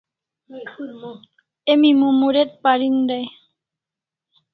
Emi Mumuret parin dai